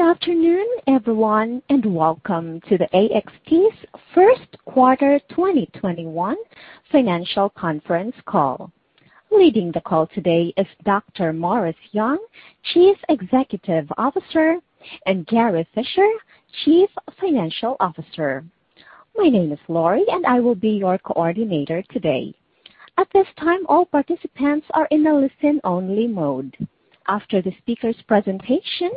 Good afternoon, everyone, welcome to the AXT's first quarter 2021 financial conference call. Leading the call today is Dr. Morris Young, Chief Executive Officer, and Gary Fischer, Chief Financial Officer. My name is Lori, I will be your coordinator today. At this time, all participants are in a listen-only mode. After the speakers' presentation,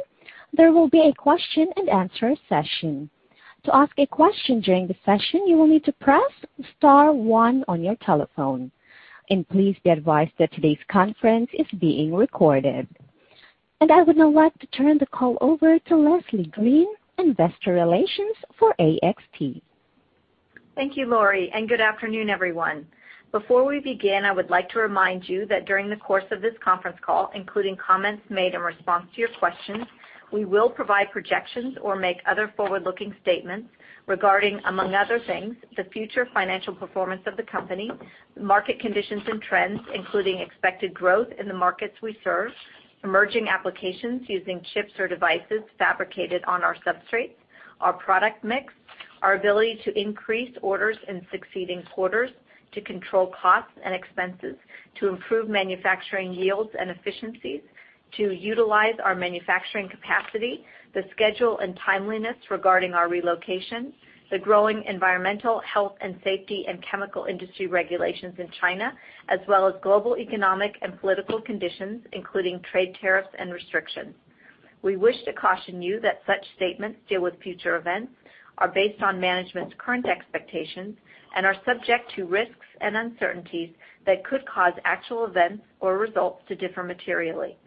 there will be a question and answer session. To ask a question during the session, you will need to press star one on your telephone. Please be advised that today's conference is being recorded. I would now like to turn the call over to Leslie Green, investor relations for AXT. Thank you, Lori, and good afternoon, everyone. Before we begin, I would like to remind you that during the course of this conference call, including comments made in response to your questions, we will provide projections or make other forward-looking statements regarding, among other things, the future financial performance of the company, market conditions and trends, including expected growth in the markets we serve, emerging applications using chips or devices fabricated on our substrates, our product mix, our ability to increase orders in succeeding quarters, to control costs and expenses, to improve manufacturing yields and efficiencies, to utilize our manufacturing capacity, the schedule and timeliness regarding our relocation, the growing environmental health and safety and chemical industry regulations in China, as well as global economic and political conditions, including trade tariffs and restrictions. We wish to caution you that such statements deal with future events, are based on management's current expectations, and are subject to risks and uncertainties that could cause actual events or results to differ materially.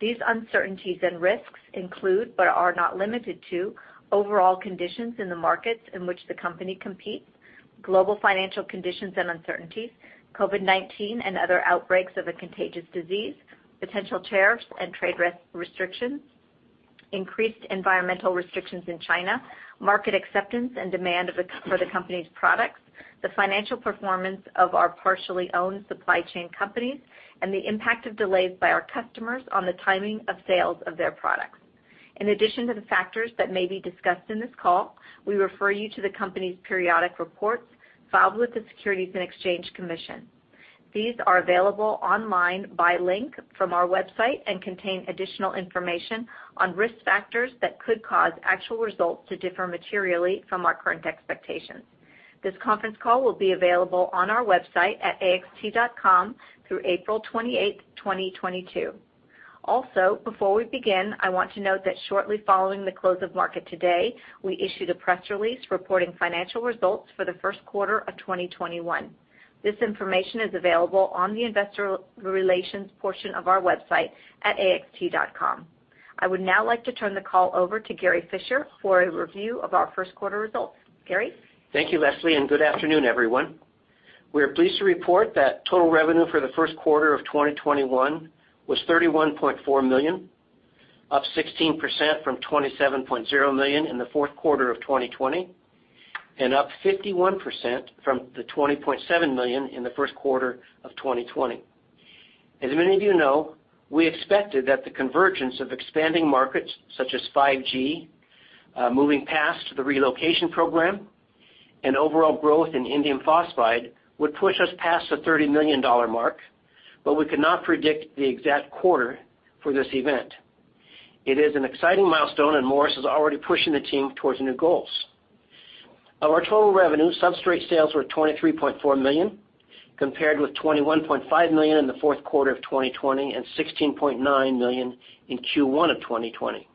These uncertainties and risks include, but are not limited to, overall conditions in the markets in which the company competes, global financial conditions and uncertainties, COVID-19 and other outbreaks of a contagious disease, potential tariffs and trade restrictions, increased environmental restrictions in China, market acceptance, and demand for the company's products, the financial performance of our partially owned supply chain companies, and the impact of delays by our customers on the timing of sales of their products. In addition to the factors that may be discussed in this call, we refer you to the company's periodic reports filed with the Securities and Exchange Commission. These are available online by link from our website and contain additional information on risk factors that could cause actual results to differ materially from our current expectations. This conference call will be available on our website at axt.com through April 28th, 2022. Also, before we begin, I want to note that shortly following the close of market today, we issued a press release reporting financial results for the first quarter of 2021. This information is available on the investor relations portion of our website at axt.com. I would now like to turn the call over to Gary Fischer for a review of our first quarter results. Gary? Thank you, Leslie, and good afternoon, everyone. We are pleased to report that total revenue for the first quarter of 2021 was $31.4 million, up 16% from $27.0 million in the fourth quarter of 2020, and up 51% from the $20.7 million in the first quarter of 2020. As many of you know, we expected that the convergence of expanding markets, such as 5G, moving past the relocation program, and overall growth in indium phosphide would push us past the $30 million mark, but we could not predict the exact quarter for this event. It is an exciting milestone, and Morris is already pushing the team towards new goals. Of our total revenue, substrate sales were $23.4 million, compared with $21.5 million in the fourth quarter of 2020 and $16.9 million in Q1 of 2020.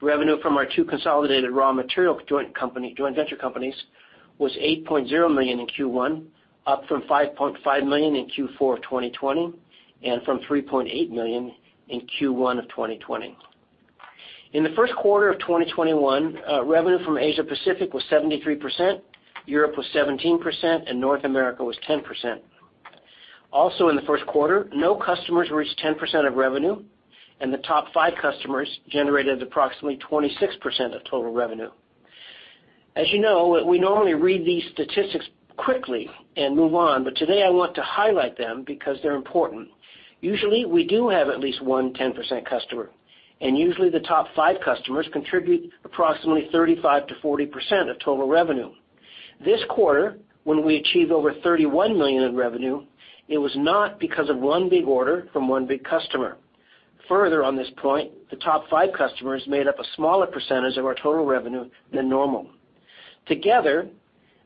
Revenue from our two consolidated raw material joint venture companies was $8.0 million in Q1, up from $5.5 million in Q4 of 2020 and from $3.8 million in Q1 of 2020. In the first quarter of 2021, revenue from Asia Pacific was 73%, Europe was 17%, and North America was 10%. In the first quarter, no customers reached 10% of revenue, and the top five customers generated approximately 26% of total revenue. As you know, we normally read these statistics quickly and move on, today I want to highlight them because they're important. Usually, we do have at least one 10% customer, usually the top five customers contribute approximately 35%-40% of total revenue. This quarter, when we achieved over $31 million of revenue, it was not because of one big order from one big customer. Further on this point, the top five customers made up a smaller percentage of our total revenue than normal. Together,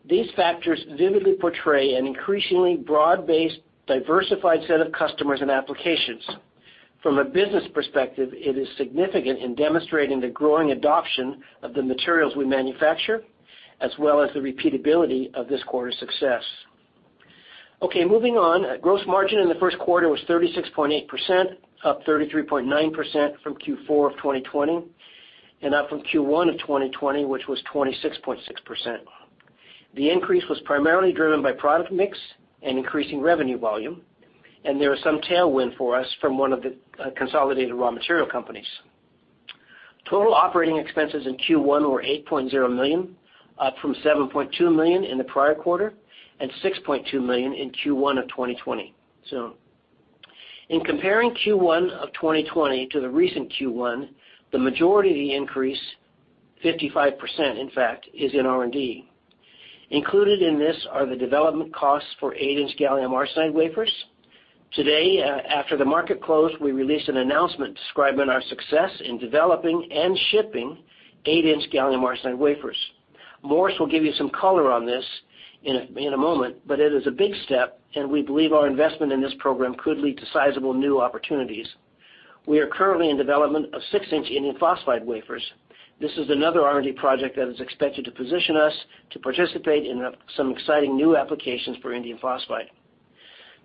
these factors vividly portray an increasingly broad-based, diversified set of customers and applications. From a business perspective, it is significant in demonstrating the growing adoption of the materials we manufacture, as well as the repeatability of this quarter's success. Okay, moving on. Gross margin in the first quarter was 36.8%, up 33.9% from Q4 of 2020, and up from Q1 of 2020, which was 26.6%. The increase was primarily driven by product mix and increasing revenue volume, and there was some tailwind for us from one of the consolidated raw material companies. Total operating expenses in Q1 were $8.0 million, up from $7.2 million in the prior quarter and $6.2 million in Q1 of 2020. In comparing Q1 of 2020 to the recent Q1, the majority increase, 55%, in fact, is in R&D. Included in this are the development costs for 8-inch gallium arsenide wafers. Today, after the market closed, we released an announcement describing our success in developing and shipping 8-inch gallium arsenide wafers. Morris will give you some color on this in a moment, but it is a big step, and we believe our investment in this program could lead to sizable new opportunities. We are currently in development of 6-inch indium phosphide wafers. This is another R&D project that is expected to position us to participate in some exciting new applications for indium phosphide.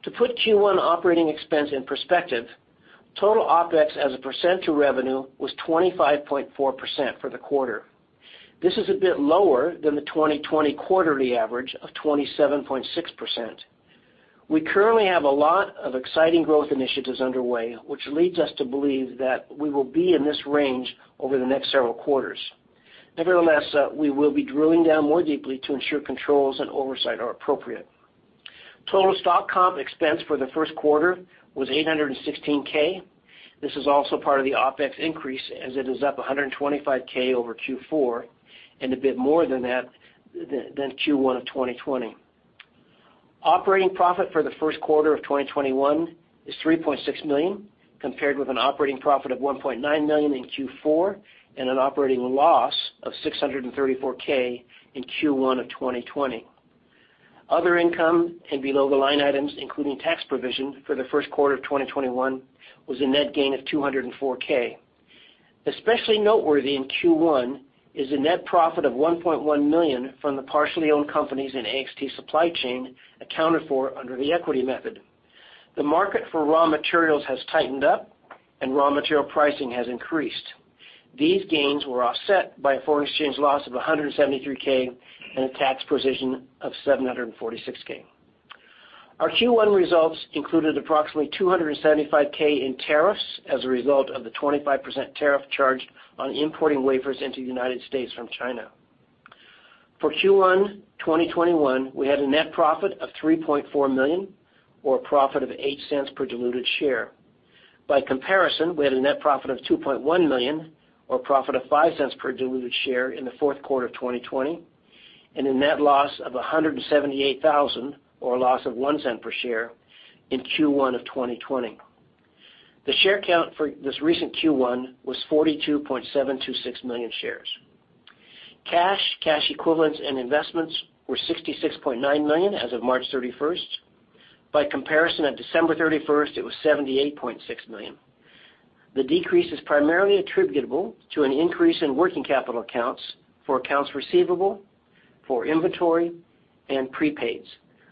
To put Q1 operating expense in perspective, total OpEx as a percent to revenue was 25.4% for the quarter. This is a bit lower than the 2020 quarterly average of 27.6%. We currently have a lot of exciting growth initiatives underway, which leads us to believe that we will be in this range over the next several quarters. Nevertheless, we will be drilling down more deeply to ensure controls and oversight are appropriate. Total stock comp expense for the first quarter was $816,000. This is also part of the OpEx increase, as it is up $125,000 over Q4, and a bit more than Q1 of 2020. Operating profit for the first quarter of 2021 is $3.6 million, compared with an operating profit of $1.9 million in Q4, and an operating loss of $634,000 in Q1 of 2020. Other income and below-the-line items, including tax provision for the first quarter of 2021, was a net gain of $204,000. Especially noteworthy in Q1 is a net profit of $1.1 million from the partially owned companies in AXT supply chain accounted for under the equity method. The market for raw materials has tightened up, and raw material pricing has increased. These gains were offset by a foreign exchange loss of $173,000 and a tax provision of $746,000. Our Q1 results included approximately $275,000 in tariffs as a result of the 25% tariff charged on importing wafers into the United States from China. For Q1 2021, we had a net profit of $3.4 million, or a profit of $0.08 per diluted share. By comparison, we had a net profit of $2.1 million, or a profit of $0.05 per diluted share in the fourth quarter of 2020, and a net loss of $178,000, or a loss of $0.01 per share in Q1 of 2020. The share count for this recent Q1 was 42.726 million shares. Cash, cash equivalents, and investments were $66.9 million as of March 31st. By comparison, on December 31st, it was $78.6 million. The decrease is primarily attributable to an increase in working capital accounts for accounts receivable, for inventory, and prepaids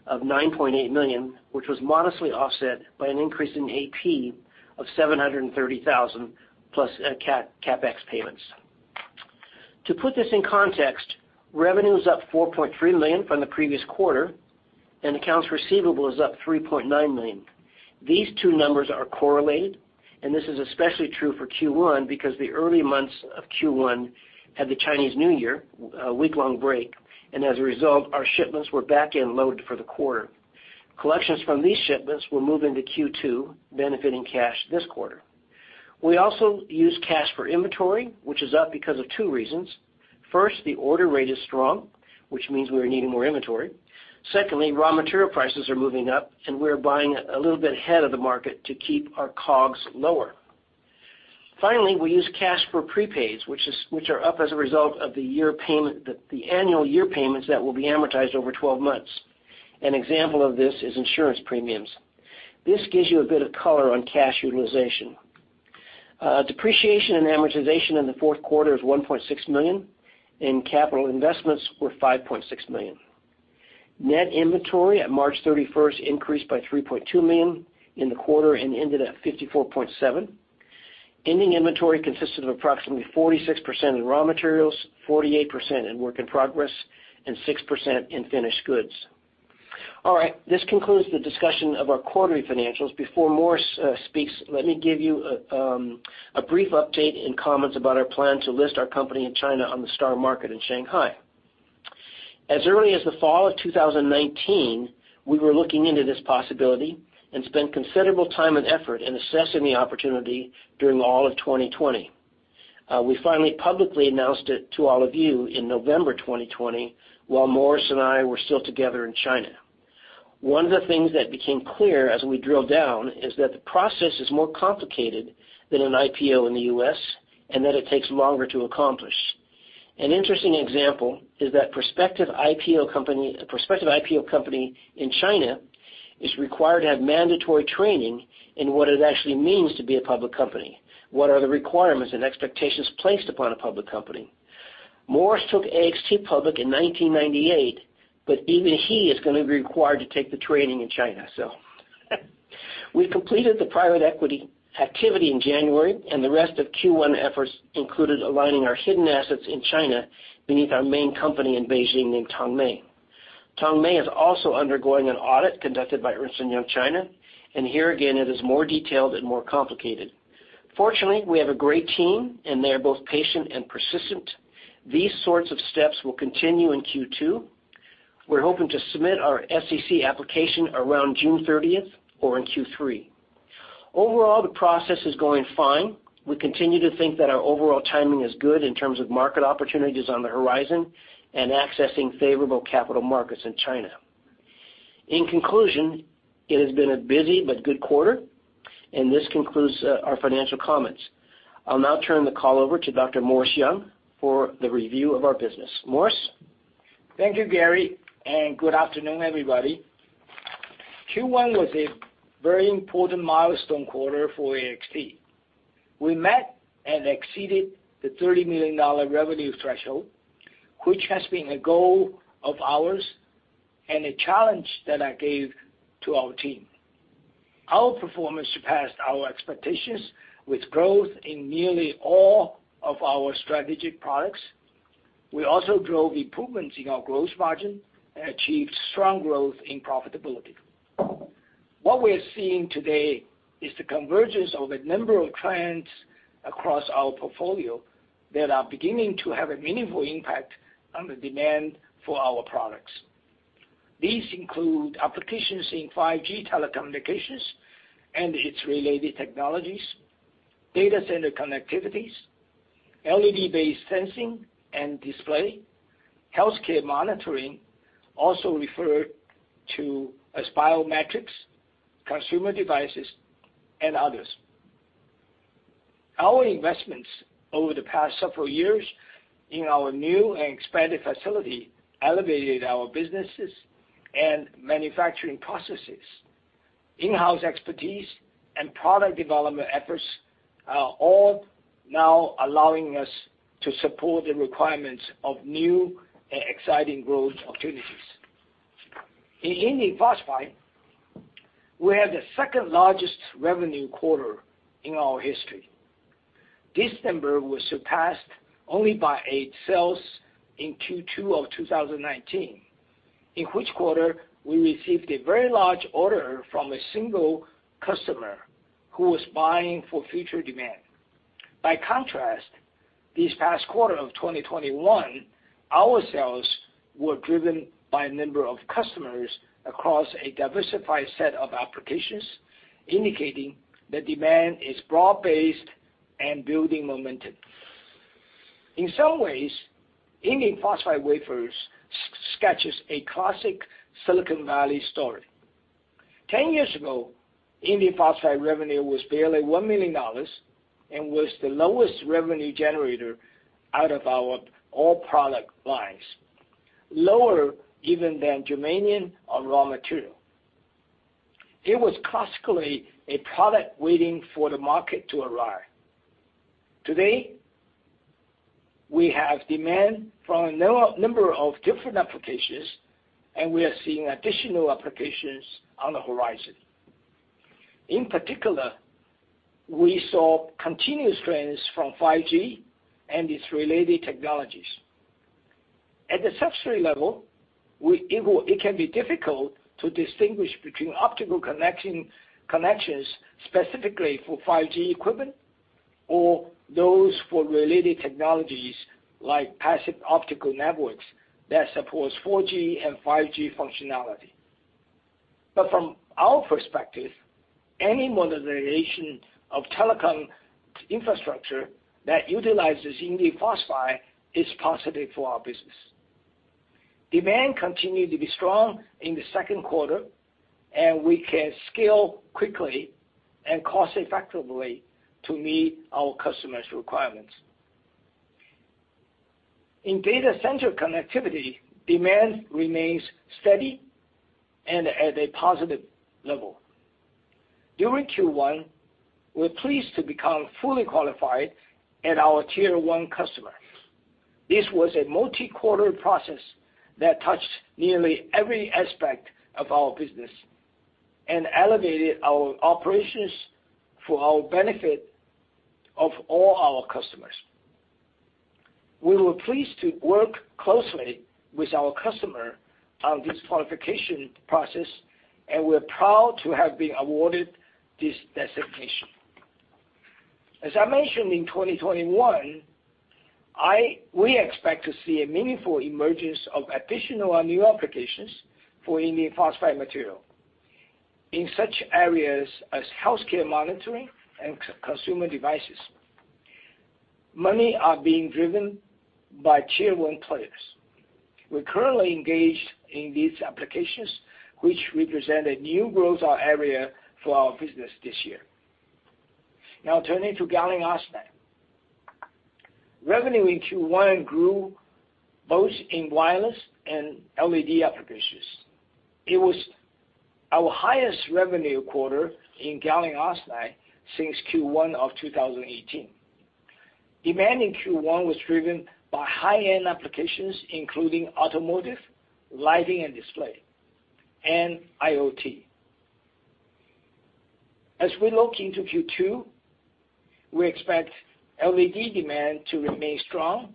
of $9.8 million, which was modestly offset by an increase in AP of $730,000 plus CapEx payments. To put this in context, revenue is up $4.3 million from the previous quarter, and accounts receivable is up $3.9 million. These two numbers are correlated, and this is especially true for Q1 because the early months of Q1 had the Chinese New Year, a week-long break, and as a result, our shipments were back-end loaded for the quarter. Collections from these shipments will move into Q2, benefiting cash this quarter. We also use cash for inventory, which is up because of two reasons. First, the order rate is strong, which means we are needing more inventory. Secondly, raw material prices are moving up, and we are buying a little bit ahead of the market to keep our COGS lower. Finally, we use cash for prepaids, which are up as a result of the annual year payments that will be amortized over 12 months. An example of this is insurance premiums. This gives you a bit of color on cash utilization. Depreciation and amortization in the fourth quarter is $1.6 million, and capital investments were $5.6 million. Net inventory at March 31st increased by $3.2 million in the quarter and ended at $54.7 million. Ending inventory consisted of approximately 46% in raw materials, 48% in work in progress, and 6% in finished goods. All right, this concludes the discussion of our quarterly financials. Before Morris speaks, let me give you a brief update and comments about our plan to list our company in China on the STAR Market in Shanghai. As early as the fall of 2019, we were looking into this possibility and spent considerable time and effort in assessing the opportunity during all of 2020. We finally publicly announced it to all of you in November 2020, while Morris and I were still together in China. One of the things that became clear as we drilled down is that the process is more complicated than an IPO in the U.S, and that it takes longer to accomplish. An interesting example is that a prospective IPO company in China is required to have mandatory training in what it actually means to be a public company. What are the requirements and expectations placed upon a public company? Morris took AXT public in 1998, but even he is going to be required to take the training in China. We completed the private equity activity in January, and the rest of Q1 efforts included aligning our hidden assets in China beneath our main company in Beijing, named Tongmei. Tongmei is also undergoing an audit conducted by Ernst & Young China, and here again, it is more detailed and more complicated. Fortunately, we have a great team, and they are both patient and persistent. These sorts of steps will continue in Q2. We're hoping to submit our CSRC application around June 30th or in Q3. Overall, the process is going fine. We continue to think that our overall timing is good in terms of market opportunities on the horizon and accessing favorable capital markets in China. In conclusion, it has been a busy but good quarter, and this concludes our financial comments. I'll now turn the call over to Dr. Morris Young for the review of our business. Morris? Thank you, Gary. Good afternoon, everybody. Q1 was a very important milestone quarter for AXT. We met and exceeded the $30 million revenue threshold, which has been a goal of ours and a challenge that I gave to our team. Our performance surpassed our expectations with growth in nearly all of our strategic products. We also drove improvements in our gross margin and achieved strong growth in profitability. What we're seeing today is the convergence of a number of trends across our portfolio that are beginning to have a meaningful impact on the demand for our products. These include applications in 5G telecommunications and its related technologies, data center connectivities, LED-based sensing and display, healthcare monitoring, also referred to as biometrics, consumer devices, and others. Our investments over the past several years in our new and expanded facility elevated our businesses and manufacturing processes. In-house expertise and product development efforts are all now allowing us to support the requirements of new and exciting growth opportunities. In indium phosphide, we had the second-largest revenue quarter in our history. This number was surpassed only by sales in Q2 of 2019, in which quarter we received a very large order from a single customer who was buying for future demand. By contrast, this past quarter of 2021, our sales were driven by a number of customers across a diversified set of applications, indicating that demand is broad-based and building momentum. In some ways, indium phosphide wafers sketches a classic Silicon Valley story. 10 years ago, indium phosphide revenue was barely $1 million and was the lowest revenue generator out of our all product lines, lower even than germanium or raw material. It was classically a product waiting for the market to arrive. Today, we have demand from a number of different applications, and we are seeing additional applications on the horizon. In particular, we saw continuous trends from 5G and its related technologies. At the substrate level, it can be difficult to distinguish between optical connections specifically for 5G equipment or those for related technologies like passive optical networks that supports 4G and 5G functionality. From our perspective, any modernization of telecom infrastructure that utilizes indium phosphide is positive for our business. Demand continued to be strong in the second quarter. We can scale quickly and cost-effectively to meet our customers' requirements. In data center connectivity, demand remains steady and at a positive level. During Q1, we're pleased to become fully qualified at our Tier 1 customer. This was a multi-quarter process that touched nearly every aspect of our business and elevated our operations for our benefit of all our customers. We were pleased to work closely with our customer on this qualification process, and we're proud to have been awarded this designation. As I mentioned in 2021, we expect to see a meaningful emergence of additional new applications for indium phosphide material in such areas as healthcare monitoring and consumer devices. Many are being driven by Tier 1 players. We're currently engaged in these applications, which represent a new growth area for our business this year. Turning to gallium arsenide. Revenue in Q1 grew both in wireless and LED applications. It was our highest revenue quarter in gallium arsenide since Q1 of 2018. Demand in Q1 was driven by high-end applications, including automotive, lighting and display, and IoT. We look into Q2, we expect LED demand to remain strong,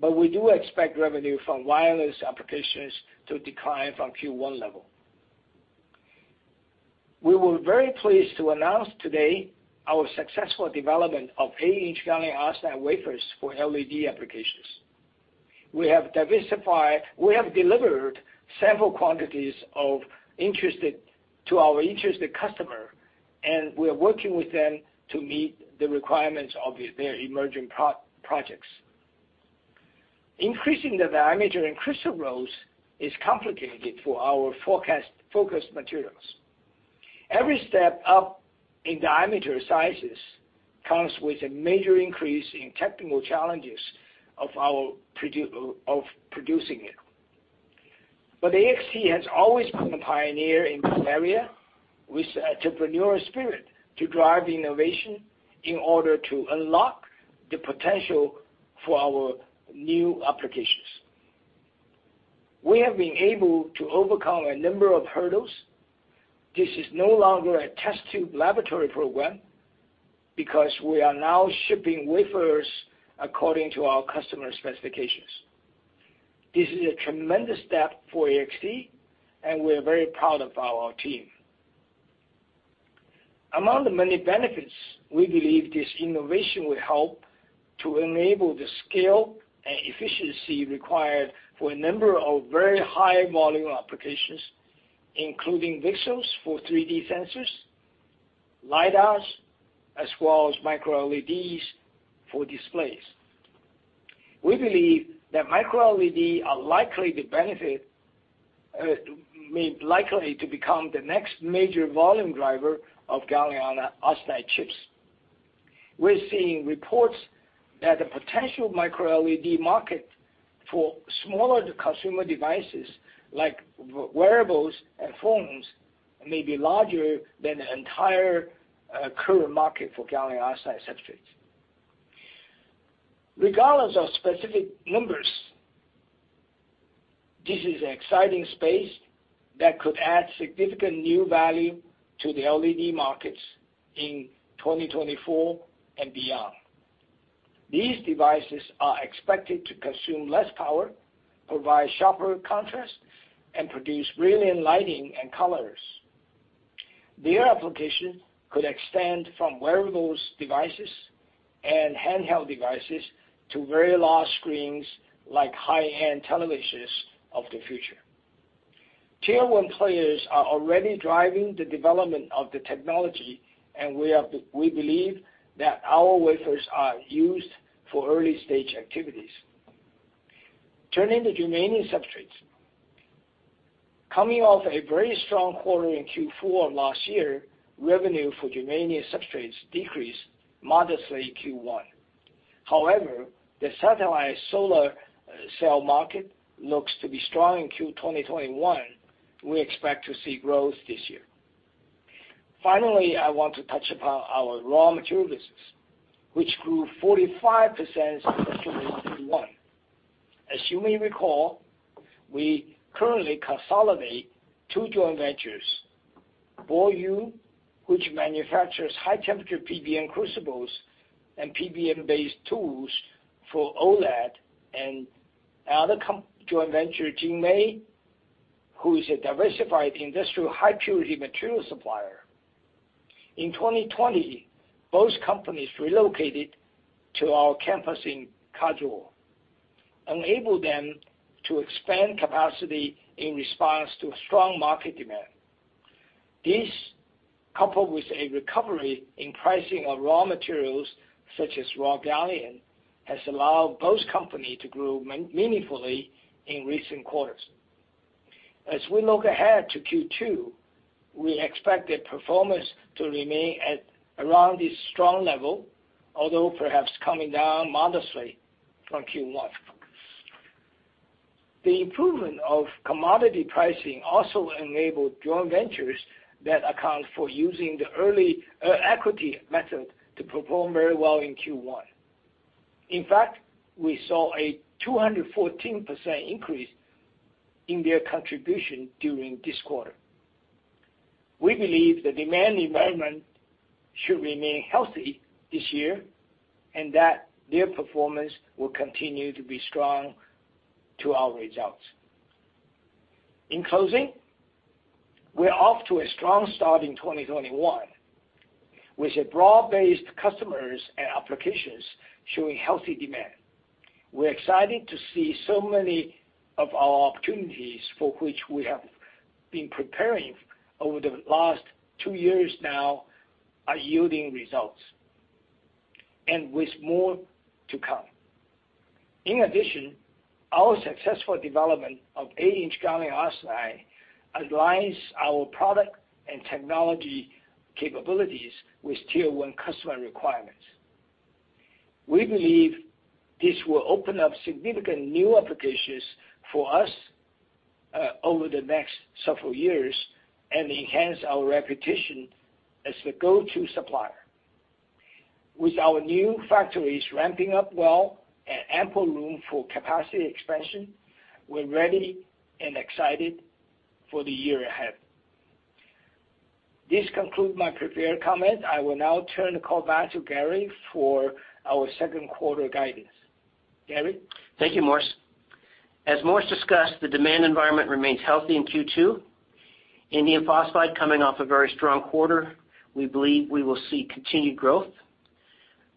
but we do expect revenue from wireless applications to decline from Q1 level. We were very pleased to announce today our successful development of 8-inch gallium arsenide wafers for LED applications. We have delivered several quantities to our interested customer, we are working with them to meet the requirements of their emerging projects. Increasing the diameter in crystal growth is complicated for our focused materials. Every step up in diameter sizes comes with a major increase in technical challenges of producing it. AXT has always been a pioneer in this area, with entrepreneurial spirit to drive innovation in order to unlock the potential for our new applications. We have been able to overcome a number of hurdles. This is no longer a test tube laboratory program, because we are now shipping wafers according to our customer specifications. This is a tremendous step for AXT, and we are very proud of our team. Among the many benefits, we believe this innovation will help to enable the scale and efficiency required for a number of very high volume applications, including VCSELs for 3D sensors, LiDARs, as well as micro-LEDs for displays. We believe that micro-LED are likely to become the next major volume driver of gallium arsenide chips. We're seeing reports that the potential micro-LED market for smaller consumer devices like wearables and phones may be larger than the entire current market for gallium arsenide substrates. Regardless of specific numbers, this is an exciting space that could add significant new value to the LED markets in 2024 and beyond. These devices are expected to consume less power, provide sharper contrast, and produce brilliant lighting and colors. Their application could extend from wearables devices and handheld devices to very large screens like high-end televisions of the future. Tier 1 players are already driving the development of the technology. We believe that our wafers are used for early-stage activities. Turning to germanium substrates. Coming off a very strong quarter in Q4 of last year, revenue for germanium substrates decreased modestly in Q1. The satellite solar cell market looks to be strong in Q2 2021. We expect to see growth this year. I want to touch upon our raw material business, which grew 45% in Q1 2021. As you may recall, we currently consolidate two joint ventures, BoYu, which manufactures high-temperature PBN crucibles and PBN-based tools for OLED, and other joint venture, JinMei, who is a diversified industrial high-purity material supplier. In 2020, both companies relocated to our campus in Kazuo, enabled them to expand capacity in response to a strong market demand. This, coupled with a recovery in pricing of raw materials such as raw gallium, has allowed both companies to grow meaningfully in recent quarters. As we look ahead to Q2, we expect the performance to remain at around this strong level, although perhaps coming down modestly from Q1. The improvement of commodity pricing also enabled joint ventures that account for using the equity method to perform very well in Q1. In fact, we saw a 214% increase in their contribution during this quarter. We believe the demand environment should remain healthy this year, that their performance will continue to be strong to our results. In closing, we are off to a strong start in 2021 with broad-based customers and applications showing healthy demand. We are excited to see so many of our opportunities for which we have been preparing over the last two years now are yielding results, with more to come. Our successful development of eight-inch gallium arsenide aligns our product and technology capabilities with Tier 1 customer requirements. We believe this will open up significant new applications for us over the next several years and enhance our reputation as the go-to supplier. With our new factories ramping up well and ample room for capacity expansion, we're ready and excited for the year ahead. This concludes my prepared comment. I will now turn the call back to Gary for our second quarter guidance. Gary? Thank you, Morris. As Morris discussed, the demand environment remains healthy in Q2. Indium phosphide coming off a very strong quarter. We believe we will see continued growth.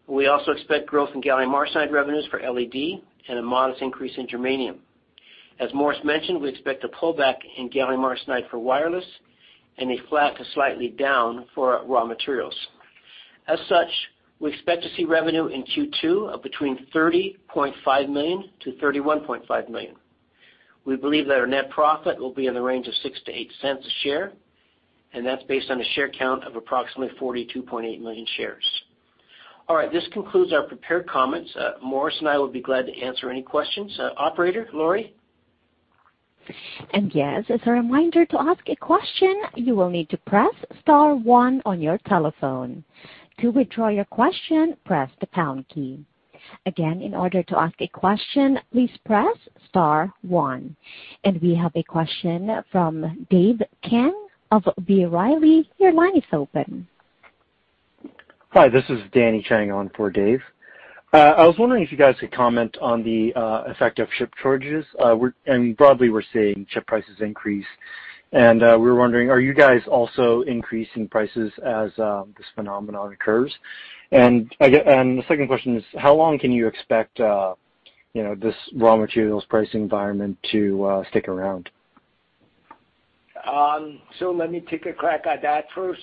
We also expect growth in gallium arsenide revenues for LED and a modest increase in germanium. As Morris mentioned, we expect a pullback in gallium arsenide for wireless and a flat to slightly down for raw materials. We expect to see revenue in Q2 of between $30.5 million-$31.5 million. We believe that our net profit will be in the range of $0.06-$0.08 a share, and that's based on a share count of approximately 42.8 million shares. All right. This concludes our prepared comments. Morris and I will be glad to answer any questions. Operator, Lori? Yes, as a reminder, to ask a question, you will need to press star one on your telephone. To withdraw your question, press the pound key. Again, in order to ask a question, please press star one. We have a question from Dave Kang of B. Riley. Your line is open. Hi, this is Danny Chang on for Dave. I was wondering if you guys could comment on the effect of chip charges. Broadly, we're seeing chip prices increase, and we were wondering, are you guys also increasing prices as this phenomenon occurs? The second question is, how long can you expect this raw materials pricing environment to stick around? Let me take a crack at that first.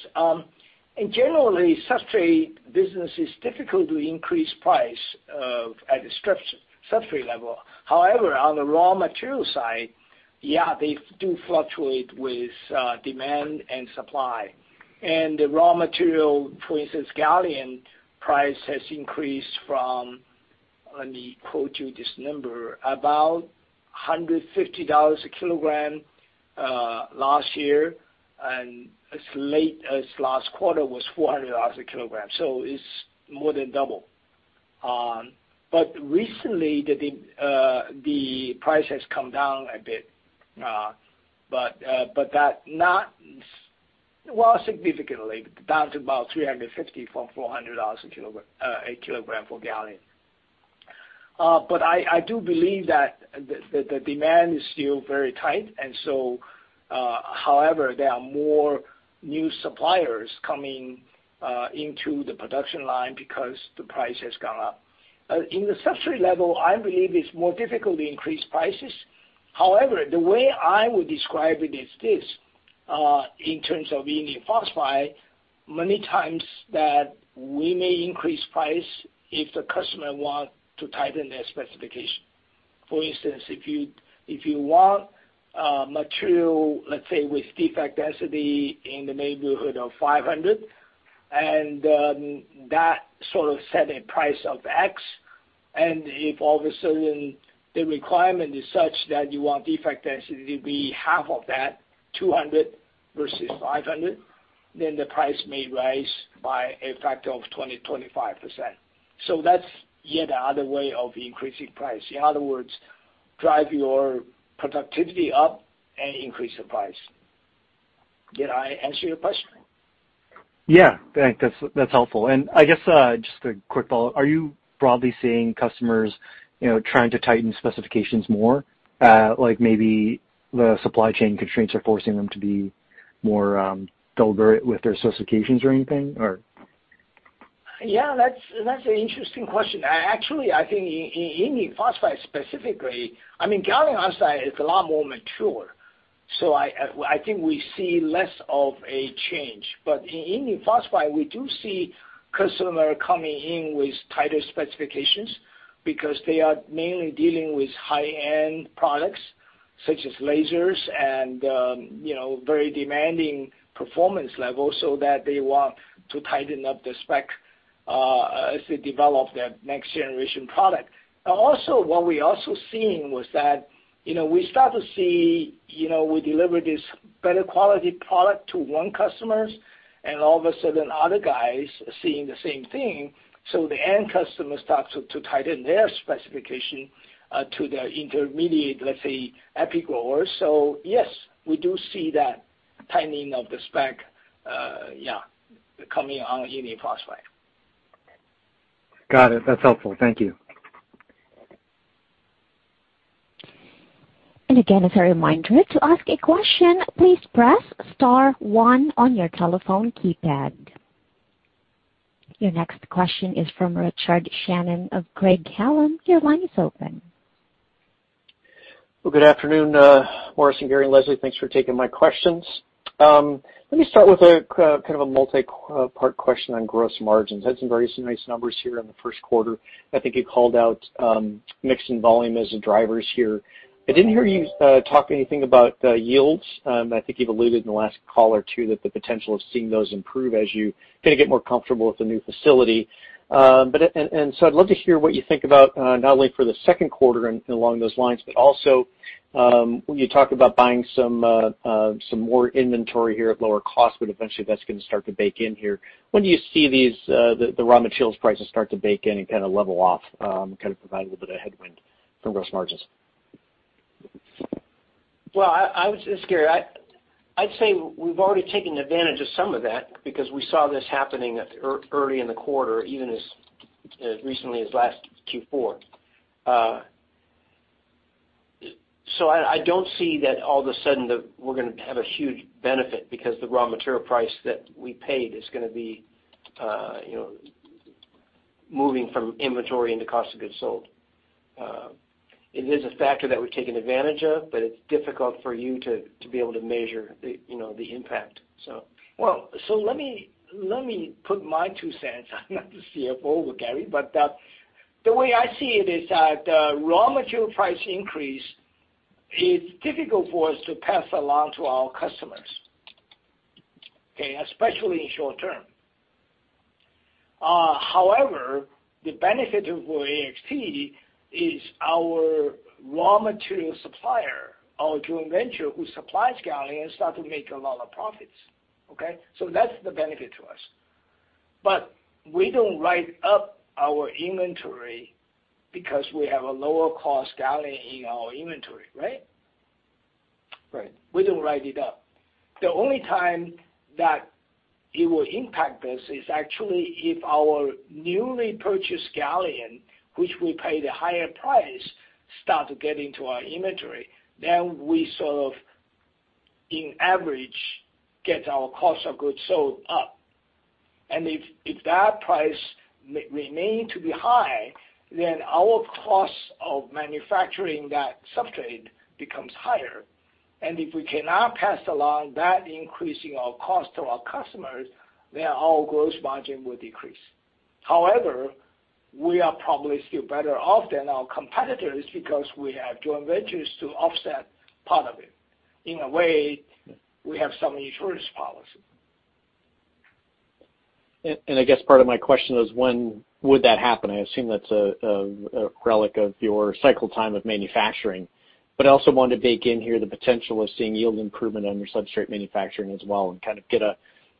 In generally, substrate business is difficult to increase price at the substrate level. However, on the raw material side, yeah, they do fluctuate with demand and supply. The raw material, for instance, gallium price has increased from, let me quote you this number, about $150/kg last year, and as late as last quarter was $400/kg, so it's more than double. Recently, the price has come down a bit. Well, significantly, down to about $350/kg from $400/kg for gallium. I do believe that the demand is still very tight. However, there are more new suppliers coming into the production line because the price has gone up. In the substrate level, I believe it's more difficult to increase prices. The way I would describe it is this, in terms of indium phosphide, many times that we may increase price if the customer want to tighten their specification. For instance, if you want material, let's say, with defect density in the neighborhood of 500, and that sort of set a price of X, and if all of a sudden the requirement is such that you want defect density to be half of that, 200 versus 500, then the price may rise by a factor of 20%, 25%. That's yet another way of increasing price. In other words, drive your productivity up and increase the price. Did I answer your question? Yeah. Thanks. That's helpful. I guess, just a quick follow, are you broadly seeing customers trying to tighten specifications more? Like maybe the supply chain constraints are forcing them to be more deliberate with their specifications or anything, or? Yeah, that's an interesting question. Actually, I think in indium phosphide specifically. Gallium arsenide is a lot more mature, so I think we see less of a change. In indium phosphide, we do see customer coming in with tighter specifications because they are mainly dealing with high-end products such as lasers and very demanding performance levels so that they want to tighten up the spec as they develop their next generation product. What we also seeing was that, we deliver this better quality product to one customers, and all of a sudden, other guys are seeing the same thing, so the end customer starts to tighten their specification to their intermediate, let's say, epi growers. Yes, we do see that tightening of the spec, yeah, coming on indium phosphide. Got it. That's helpful. Thank you. Again, as a reminder, to ask a question, please press star one on your telephone keypad. Your next question is from Richard Shannon of Craig-Hallum. Your line is open. Well, good afternoon, Morris and Gary and Leslie. Thanks for taking my questions. Let me start with kind of a multi-part question on gross margins. Had some very nice numbers here in the first quarter, and I think you called out mix and volume as the drivers here. I didn't hear you talk anything about yields. I think you've alluded in the last call or two that the potential of seeing those improve as you kind of get more comfortable with the new facility. I'd love to hear what you think about, not only for the second quarter and along those lines, but also when you talk about buying some more inventory here at lower cost, but eventually that's going to start to bake in here. When do you see the raw materials prices start to bake in and kind of level off, kind of provide a little bit of headwind from gross margins? Well, this is Gary. I'd say we've already taken advantage of some of that because we saw this happening early in the quarter, even as recently as last Q4. I don't see that all of a sudden that we're going to have a huge benefit because the raw material price that we paid is going to be moving from inventory into cost of goods sold. It is a factor that we've taken advantage of, but it's difficult for you to be able to measure the impact. Let me put my $0.02. I'm not the CFO, but Gary. The way I see it is that the raw material price increase is difficult for us to pass along to our customers. Okay? Especially in short term. However, the benefit for AXT is our raw material supplier, our joint venture who supplies gallium, has started to make a lot of profits, okay? That's the benefit to us. We don't write up our inventory because we have a lower cost gallium in our inventory, right? Right. We don't write it up. The only time that it will impact us is actually if our newly purchased gallium, which we pay the higher price, start to get into our inventory, then we sort of in average, get our cost of goods sold up. If that price remain to be high, then our cost of manufacturing that substrate becomes higher. If we cannot pass along that increase in our cost to our customers, then our gross margin will decrease. However, we are probably still better off than our competitors because we have joint ventures to offset part of it. In a way, we have some insurance policy. I guess part of my question is when would that happen? I assume that's a relic of your cycle time of manufacturing, but I also wanted to bake in here the potential of seeing yield improvement on your substrate manufacturing as well and kind of get a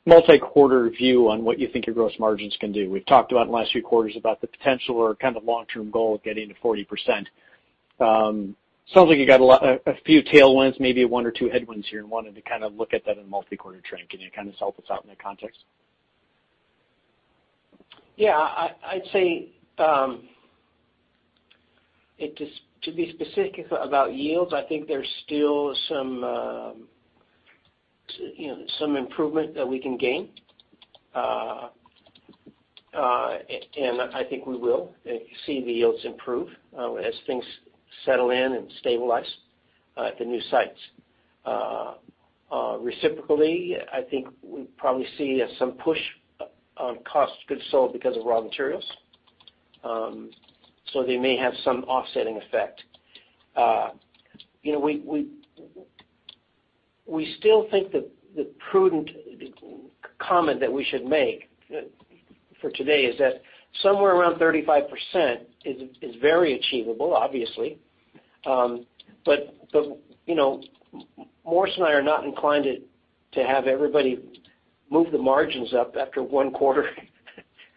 multi-quarter view on what you think your gross margins can do. We've talked about in the last few quarters about the potential or kind of long-term goal of getting to 40%. Sounds like you got a few tailwinds, maybe one or two headwinds here, and wanted to kind of look at that in a multi-quarter trend. Can you kind of help us out in that context? Yeah. I'd say, to be specific about yields, I think there's still some improvement that we can gain. I think we will see the yields improve as things settle in and stabilize at the new sites. Reciprocally, I think we probably see some push on COGS because of raw materials. They may have some offsetting effect. We still think that the prudent comment that we should make for today is that somewhere around 35% is very achievable, obviously. Morris and I are not inclined to have everybody move the margins up after one quarter,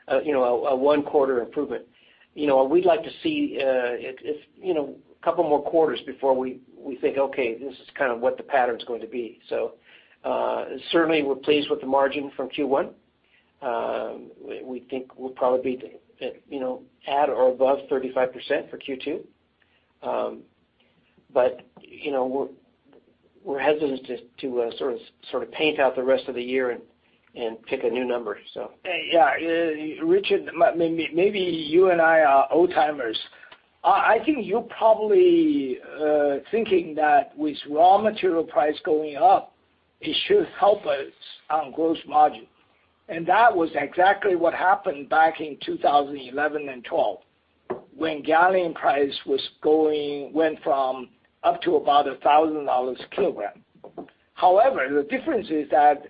a one-quarter improvement. We'd like to see a couple more quarters before we think, "Okay, this is kind of what the pattern's going to be." Certainly we're pleased with the margin from Q1. We think we'll probably be at or above 35% for Q2. We're hesitant to sort of paint out the rest of the year and pick a new number. Yeah. Richard, maybe you and I are old-timers. I think you're probably thinking that with raw material price going up, it should help us on gross margin. That was exactly what happened back in 2011 and 2012 when gallium price went from up to about $1,000/kg. However, the difference is that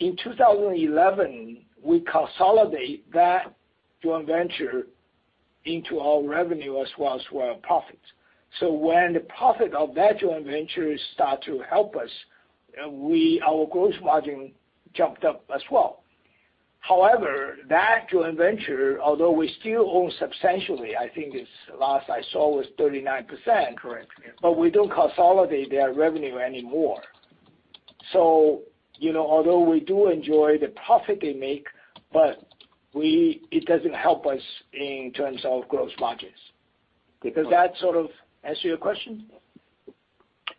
in 2011, we consolidate that joint venture into our revenue as well as our profits. When the profit of that joint venture start to help us, our gross margin jumped up as well. However, that joint venture, although we still own substantially, I think last I saw was 39%. Correct. Yeah. We don't consolidate their revenue anymore. Although we do enjoy the profit they make, it doesn't help us in terms of gross margins. Does that sort of answer your question?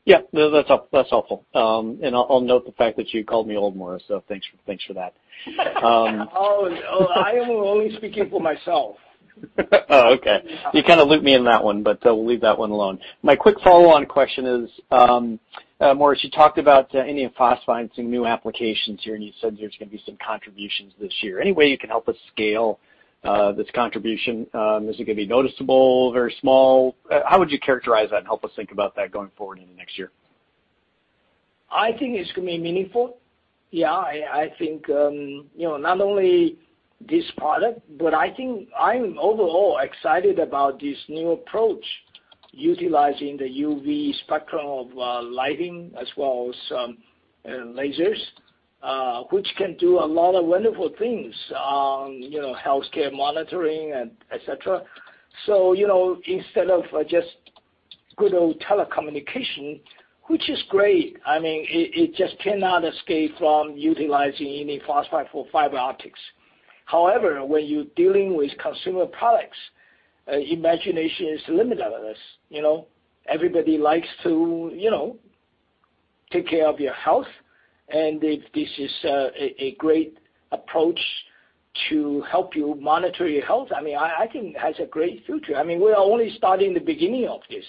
Yeah. No, that's helpful. I'll note the fact that you called me old, Morris. Thanks for that. Oh, I am only speaking for myself. Oh, okay. You kind of looped me in that one, but we'll leave that one alone. My quick follow-on question is, Morris, you talked about indium phosphide and some new applications here, and you said there's going to be some contributions this year. Any way you can help us scale this contribution? Is it going to be noticeable? Very small? How would you characterize that and help us think about that going forward into next year? I think it's going to be meaningful. Yeah. I think, not only this product, but I think I'm overall excited about this new approach utilizing the UV spectrum of lighting as well as lasers, which can do a lot of wonderful things, healthcare monitoring and et cetera. Instead of just good old telecommunication, which is great, it just cannot escape from utilizing indium phosphide for fiber optics. However, when you're dealing with consumer products, imagination is the limit of this. Everybody likes to take care of your health, and if this is a great approach to help you monitor your health, I think it has a great future. We are only starting the beginning of this.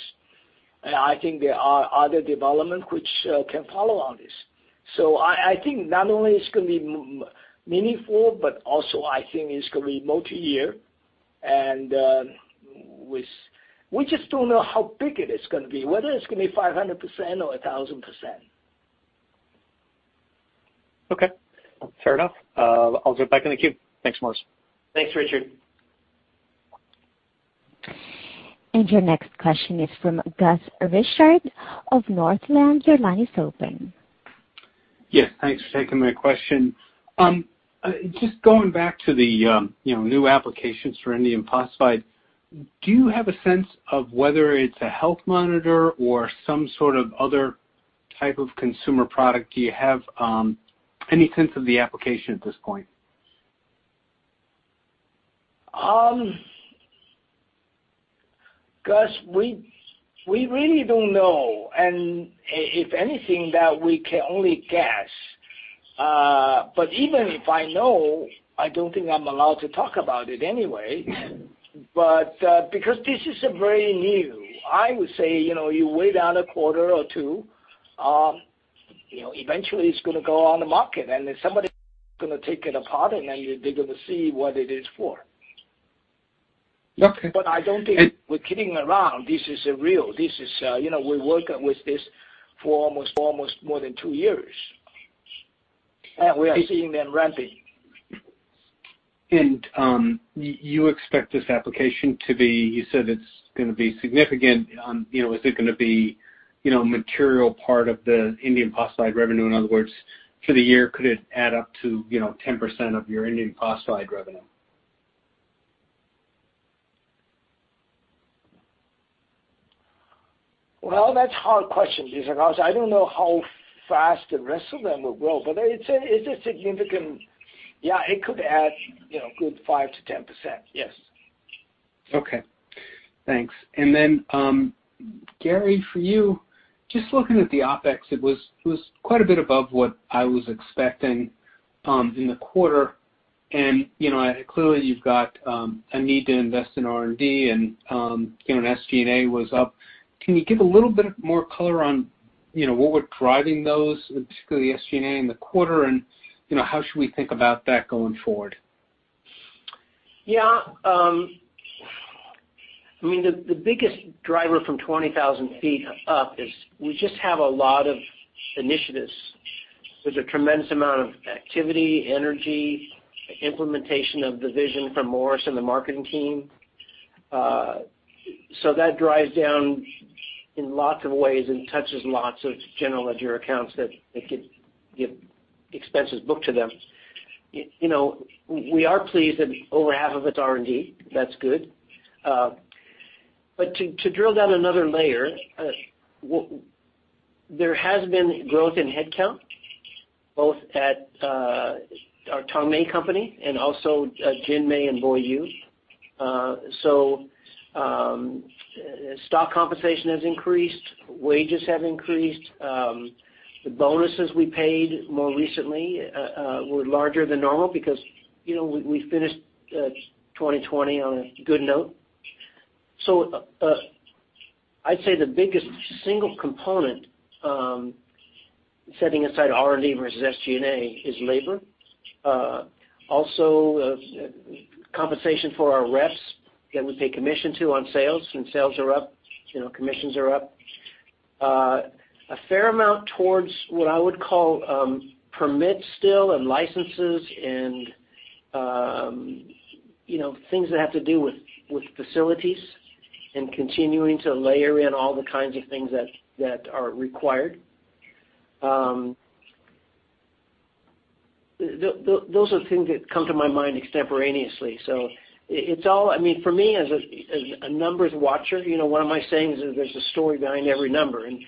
I think there are other development which can follow on this. I think not only it's going to be meaningful, but also I think it's going to be multi-year. We just don't know how big it is going to be, whether it's going to be 500% or 1,000%. Okay. Fair enough. I'll get back in the queue. Thanks, Morris. Thanks, Richard. Your next question is from Gus Richard of Northland. Your line is open. Yes, thanks for taking my question. Just going back to the new applications for indium phosphide, do you have a sense of whether it's a health monitor or some sort of other type of consumer product? Do you have any sense of the application at this point? Gus, we really don't know. If anything, that we can only guess. Even if I know, I don't think I'm allowed to talk about it anyway. Because this is very new, I would say, you wait out a quarter or two. Eventually it's going to go on the market. Then somebody's going to take it apart, and then they're going to see what it is for. Okay. I don't think we're kidding around. This is real. We're working with this for almost more than two years, and we are seeing them ramping. You expect this application to be, you said it's going to be significant. Is it going to be a material part of the indium phosphide revenue? In other words, for the year, could it add up to 10% of your indium phosphide revenue? Well, that's hard question because I don't know how fast the rest of them will grow, but it's a significant Yeah, it could add, a good 5%-10%. Yes. Okay. Thanks. Gary, for you, just looking at the OpEx, it was quite a bit above what I was expecting, in the quarter. Clearly you've got a need to invest in R&D, and SG&A was up. Can you give a little bit more color on what were driving those, particularly the SG&A in the quarter, and how should we think about that going forward? Yeah. The biggest driver from 20,000 ft up is we just have a lot of initiatives. There's a tremendous amount of activity, energy, implementation of the vision from Morris and the marketing team. That drives down in lots of ways and touches lots of general ledger accounts that get expenses booked to them. We are pleased that over half of it's R&D. That's good. To drill down another layer, there has been growth in headcount, both at our Tongmei company and also JinMei and BoYu. Stock compensation has increased. Wages have increased. The bonuses we paid more recently were larger than normal because we finished 2020 on a good note. I'd say the biggest single component, setting aside R&D versus SG&A, is labor. Also, compensation for our reps that we pay commission to on sales, and sales are up, commissions are up. A fair amount towards what I would call permits still and licenses and things that have to do with facilities and continuing to layer in all the kinds of things that are required. Those are things that come to my mind extemporaneously. For me, as a numbers watcher, one of my sayings is there's a story behind every number, and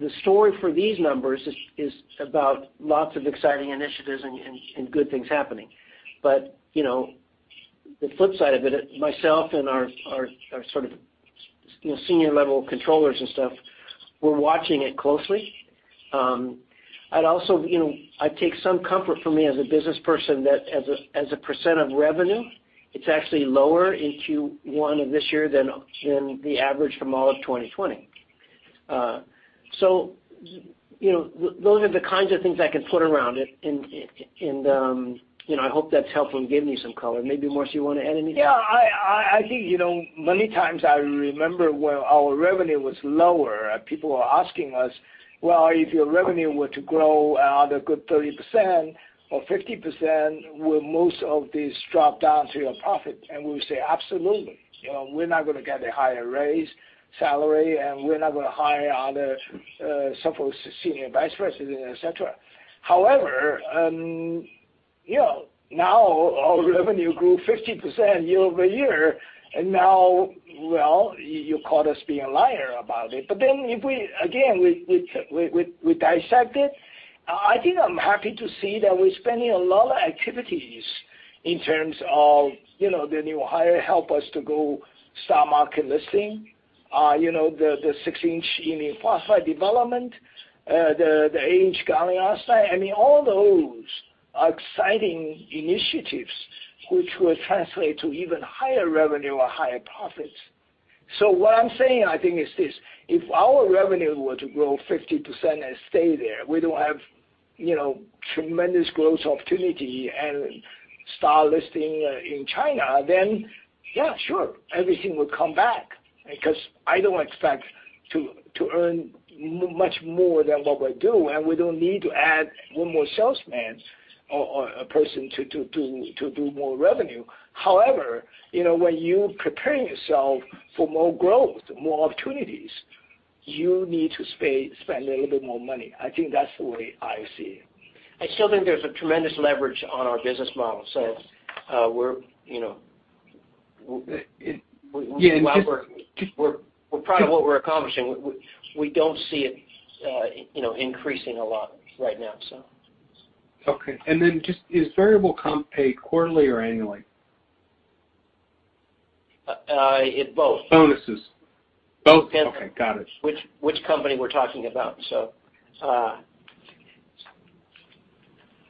the story for these numbers is about lots of exciting initiatives and good things happening. The flip side of it, myself and our senior level controllers and stuff, we're watching it closely. I'd take some comfort for me as a business person that as a percent of revenue, it's actually lower in Q1 of this year than the average for all of 2020. Those are the kinds of things I can put around it, and I hope that's helpful in giving you some color. Maybe, Morris, you want to add anything? Yeah. I think, many times I remember when our revenue was lower, people were asking us, "Well, if your revenue were to grow another good 30% or 50%, will most of this drop down to your profit?" We would say, "Absolutely. We're not going to get a higher raise, salary, and we're not going to hire other, some folks, senior vice president, et cetera." However, now our revenue grew 50% year-over-year, and now, well, you called us being a liar about it. Again, we dissect it. I think I'm happy to see that we're spending a lot of activities in terms of the new hire help us to go STAR Market listing. The 6-inch indium phosphide development, the eight-inch gallium arsenide. All those exciting initiatives which will translate to even higher revenue or higher profits. What I'm saying, I think, is this. If our revenue were to grow 50% and stay there, we don't have tremendous growth opportunity and STAR listing in China, yeah, sure, everything will come back. I don't expect to earn much more than what we do, and we don't need to add one more salesman or a person to do more revenue. However, when you're preparing yourself for more growth, more opportunities, you need to spend a little bit more money. I think that's the way I see it. I still think there's a tremendous leverage on our business model. Yeah. We're proud of what we're accomplishing. We don't see it increasing a lot right now, so. Okay. Then just, is variable comp paid quarterly or annually? It both. Bonuses. Both? Depends. Okay. Got it. Which company we're talking about?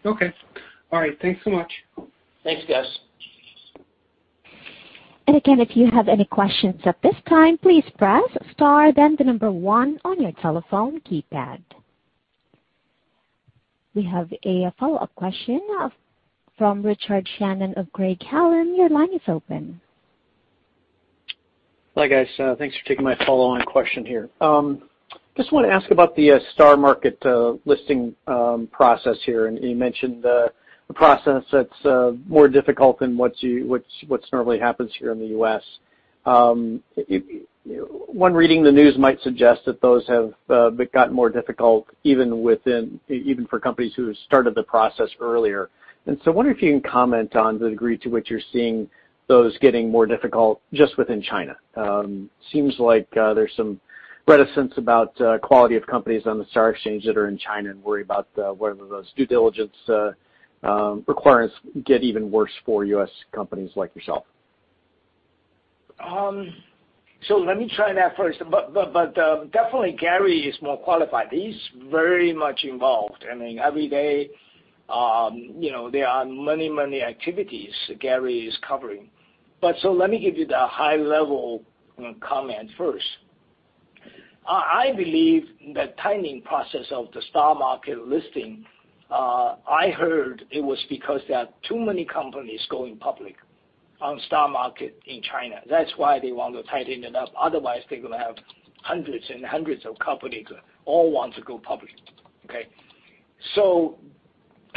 Okay. All right. Thanks so much. Thanks, Gus. Again, if you have any questions at this time, please press star then the number one on your telephone keypad. We have a follow-up question from Richard Shannon of Craig-Hallum. Your line is open. Hi, guys. Thanks for taking my follow-on question here. Just want to ask about the STAR Market listing process here. You mentioned the process that's more difficult than what normally happens here in the U.S. One reading the news might suggest that those have gotten more difficult even for companies who started the process earlier. I wonder if you can comment on the degree to which you're seeing those getting more difficult just within China. Seems like there's some reticence about quality of companies on the STAR Market that are in China and worry about whether those due diligence requirements get even worse for U.S. companies like yourself. Let me try that first. Definitely Gary is more qualified. He's very much involved. Every day, there are many activities Gary is covering. Let me give you the high-level comment first. I believe the timing process of the STAR Market listing, I heard it was because there are too many companies going public on STAR Market in China. That's why they want to tighten it up. Otherwise, they're going to have hundreds and hundreds of companies all want to go public. Okay?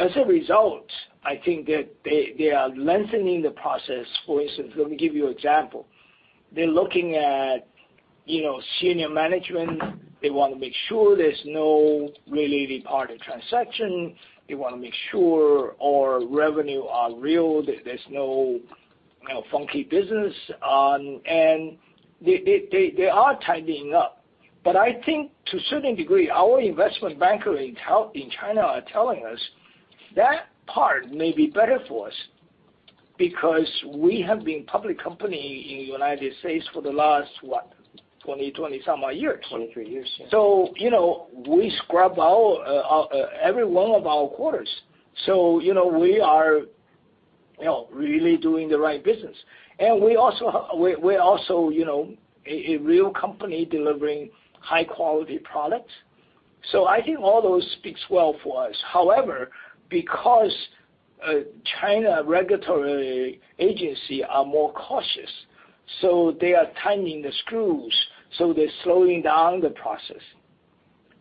As a result, I think that they are lengthening the process. For instance, let me give you an example. They're looking at senior management. They want to make sure there's no really related party transaction. They want to make sure our revenue are real, there's no funky business on. They are tightening up. I think to a certain degree, our investment banker in China are telling us that part may be better for us because we have been public company in United States for the last, what? 20 some odd years. 23 years, yeah. We scrub every one of our quarters. We are really doing the right business. We're also a real company delivering high-quality products. I think all those speaks well for us. However, because China regulatory agency are more cautious, so they are tightening the screws, so they're slowing down the process.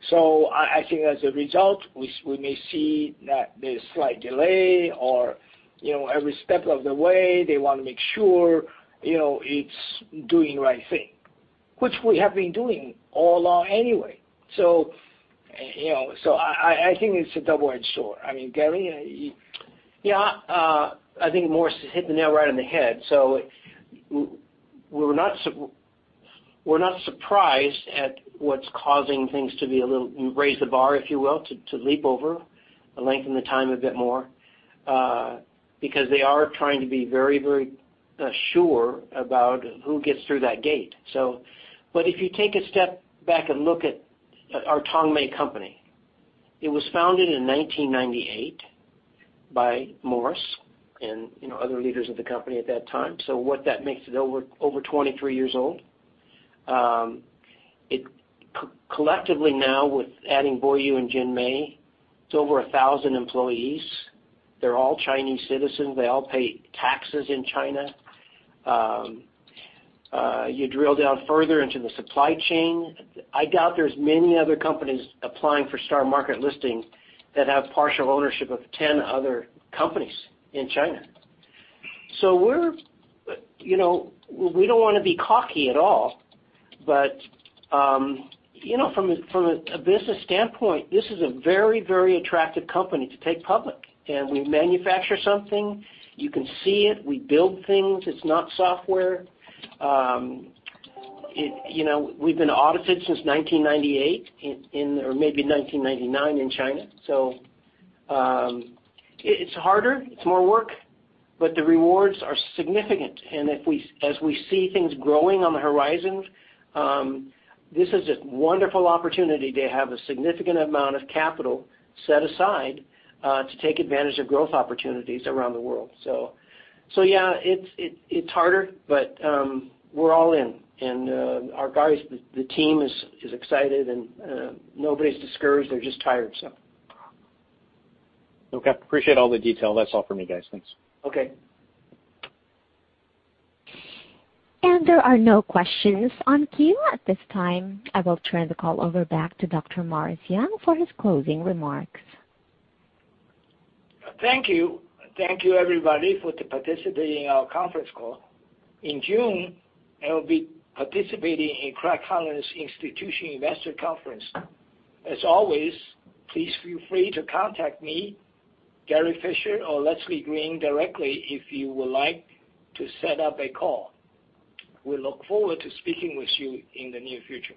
I think as a result, we may see that there's slight delay or every step of the way, they want to make sure it's doing the right thing, which we have been doing all along anyway. I think it's a double-edged sword. Gary? Yeah. I think Morris hit the nail right on the head. We're not surprised at what's causing things to raise the bar, if you will, to leap over, lengthen the time a bit more, because they are trying to be very sure about who gets through that gate, so. If you take a step back and look at our Tongmei company, it was founded in 1998. By Morris and other leaders of the company at that time. What that makes it over 23 years old. Collectively now, with adding BoYu and JinMei, it's over 1,000 employees. They're all Chinese citizens. They all pay taxes in China. You drill down further into the supply chain, I doubt there's many other companies applying for STAR Market listings that have partial ownership of 10 other companies in China. We don't want to be cocky at all, but from a business standpoint, this is a very attractive company to take public. We manufacture something, you can see it, we build things. It's not software. We've been audited since 1998 or maybe 1999 in China. It's harder, it's more work, but the rewards are significant. As we see things growing on the horizon, this is a wonderful opportunity to have a significant amount of capital set aside to take advantage of growth opportunities around the world. Yeah, it's harder, but we're all in and our guys, the team is excited and nobody's discouraged. They're just tired. Okay. Appreciate all the detail. That's all for me, guys. Thanks. Okay. There are no questions on queue at this time. I will turn the call over back to Dr. Morris Young for his closing remarks. Thank you. Thank you everybody for participating in our conference call. In June, I will be participating in Craig-Hallum's Institutional Investor Conference. As always, please feel free to contact me, Gary Fischer, or Leslie Green directly if you would like to set up a call. We look forward to speaking with you in the near future.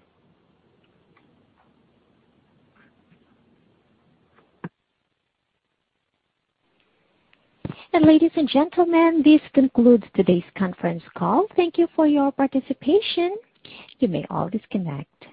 Ladies and gentlemen, this concludes today's conference call. Thank you for your participation. You may all disconnect.